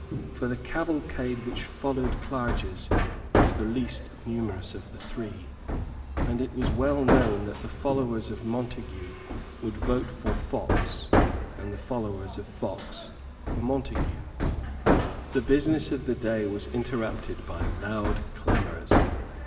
For the cavalcade which followed Clarges was the least numerous of the three; and it was well known that the followers of Montague would vote for Fox, and the followers of Fox for Montague. The business of the day was interrupted by loud clamours.